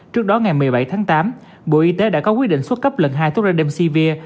trước đó ngày một mươi bảy tháng tám bộ y tế đã có quyết định xuất cấp lần hai thuốc rademsevir